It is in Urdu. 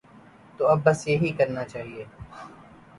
تو بس اب یہی کرنا چاہیے۔